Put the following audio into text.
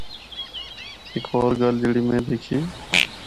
ہک ہور گل جِڑّی میں دِکھی۔